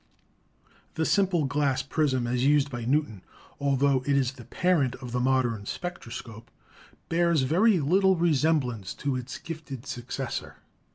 The simple glass prism as used by Newton, altho it is the parent of the modern spectroscope, bears very little resemblance to its gifted successor.